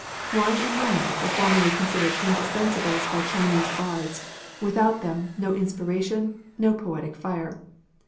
Wine and moonlight were formerly considered indispen sables by Chinese bards ; without them, no inspiration, no poetic fire.